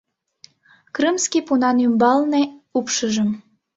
Крымски пунан ӱмбале упшыжым